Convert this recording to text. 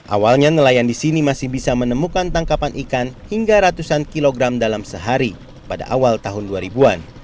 awalnya nelayan di sini masih bisa menemukan tangkapan ikan hingga ratusan kilogram dalam sehari pada awal tahun dua ribu an